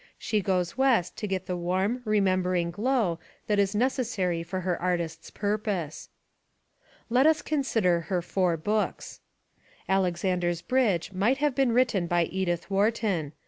She goes West to get the warm, remembering glow that is necessary for her artist's purpose. Let us consider her four books. Alexander's Bridge might have been written by Edith Wharton.